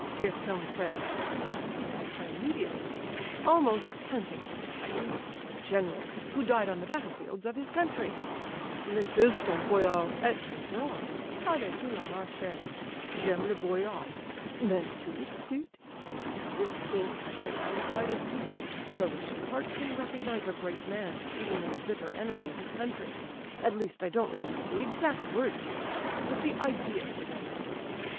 Qui est ton père?_' I immediately replied, almost panting with excitement, 'A general, who died on the battle fields of his country!' 'Le fils d'un boyard et d'un brave, pardessus le marché. J'aime les boyards. M'aimes tu, petit?' "To this keen question I replied as keenly, 'The Russian heart can recognize a great man even in the bitter enemy of his country.' At least, I don't remember the exact words, you know, but the idea was as I say.